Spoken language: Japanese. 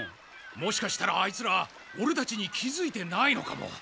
もしかしたらあいつらオレたちに気づいてないのかも。